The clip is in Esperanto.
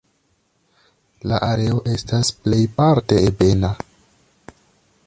La areo estas plejparte ebena.